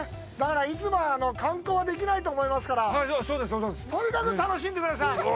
だから、いつも観光できないと思いますからとにかく楽しんでください。